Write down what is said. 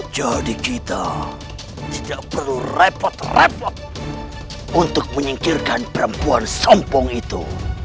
jadi kita tidak perlu repot repot untuk menyingkirkan perempuan sompong itu